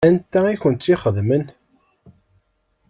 Anta i kent-tt-ixedmen?